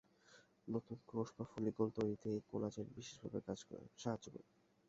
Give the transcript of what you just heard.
নতুন কোষ বা ফলিকল তৈরিতে এই কোলাজেন বিশেষ ভাবে সাহায্য করে।